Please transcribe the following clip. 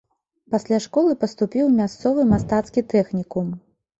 Пасля школы паступіў у мясцовы мастацкі тэхнікум.